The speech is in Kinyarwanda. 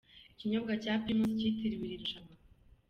Ikinyobwa cya Primus cyitiriwe iri rushanwa.